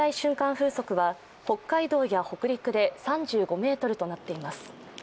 風速は北海道や北陸で３５メートルとなっています。